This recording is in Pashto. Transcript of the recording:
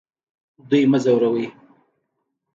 دوی مه ځوروئ